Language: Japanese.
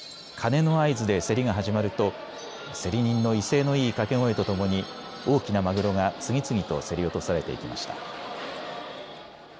鐘の合図で競りが始まると競り人の威勢のいい掛け声とともに大きなマグロが次々と競り落とされていきました。